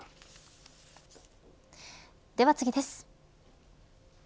では次です。